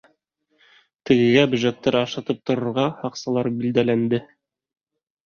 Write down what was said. Тегегә бөжәктәр ашатып торорға һаҡсылар билдәләнде.